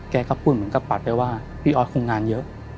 แกก็พูดเหมือนกับปัดไปว่าพี่ออสคงงานเยอะ